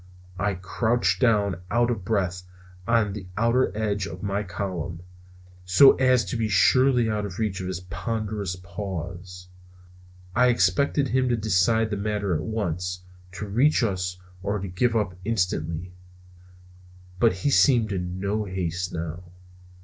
I crouched down out of breath on the outer edge of my column, so as to be surely out of reach of his ponderous paws. I expected him to decide the matter at once, to reach us or give it up instantly. But he seemed in no haste now.